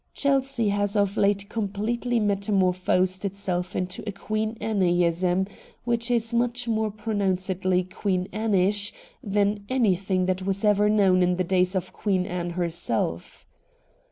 Chelsea has of late completely metamorphosed itself into a Queen Anneism which is much more pronouncedly Queen Anneish than any thing that was ever known in the days of Queen Anne herself.